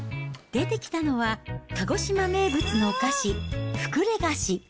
出てきたのは、鹿児島名物のお菓子、ふくれ菓子。